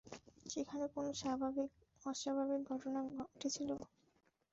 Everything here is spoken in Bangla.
সেখানে কোনো অস্বাভাবিক ঘটনা ঘটেছিল?